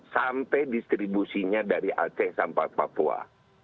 sampai distribusinya dari aceh sampai papua